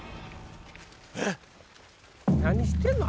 えっ⁉何してんの？